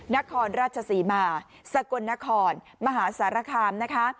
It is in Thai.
นครราชศรีมาสกลนครมหาสารคามนะคะ